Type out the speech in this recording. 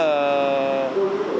em mong muốn là